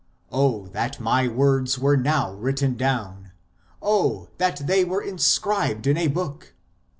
Oh that my words were now written down ! Oh that they were inscribed in a book